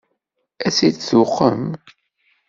Ad tt-id-tuqem?